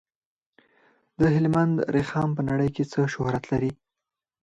د هلمند رخام په نړۍ کې څه شهرت لري؟